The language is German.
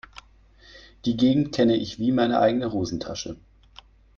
Die Gegend kenne ich wie meine eigene Hosentasche.